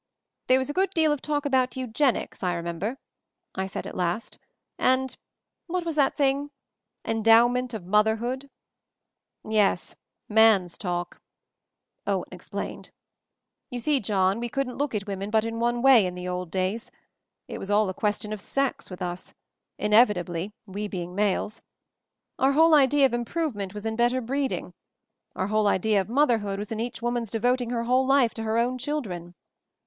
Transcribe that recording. "There was a good deal of talk about Eu genics, I remember," I said at last, "and — what was that thing? Endowment of Motherhood?" "Yes — man's talk," Owen . explained. "You see, John, we couldn't look at women but in one way — in the old days; it was all a question of sex with us — inevitably, we be ing males. Our whole idea of improvement was in better breeding; our whole idea of motherhood was in each woman's devoting her whole life to her own children.